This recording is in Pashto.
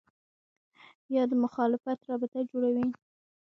یا د مخالفت رابطه جوړوي